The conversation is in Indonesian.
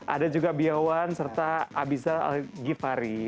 ada juga biawan serta abizal al ghifari